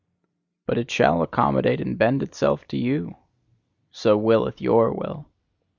But it shall accommodate and bend itself to you! So willeth your will.